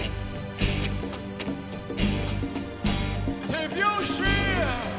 手拍子！